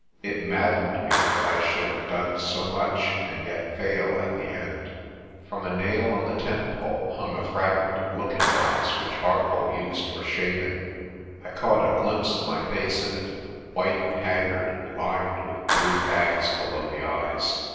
It maddened me that I should have done so much and yet fail at the end. From a nail on the tent pole hung a fragment of looking glass which Arcoll used for shaving. I caught a glimpse of my face in it, white and haggard and lined with blue bags below the eyes.